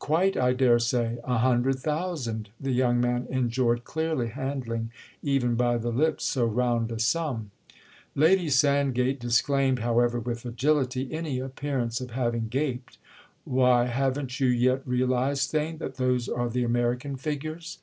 "Quite, I dare say, a Hundred Thousand"—the young man enjoyed clearly handling even by the lips so round a sum. Lady Sandgate disclaimed however with agility any appearance of having gaped. "Why, haven't you yet realised, Theign, that those are the American figures?"